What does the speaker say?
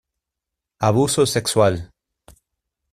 Abuso sexual.